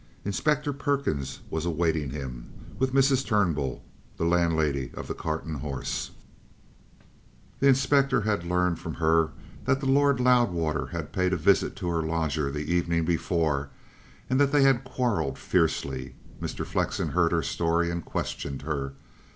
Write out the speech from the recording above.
Inspector Perkins was awaiting him, with Mrs. Turnbull, the landlady of the "Cart and Horses." The inspector had learned from her that the Lord Loudwater had paid a visit to her lodger the evening before, and that they had quarrelled fiercely. Mr. Flexen heard her story and questioned her.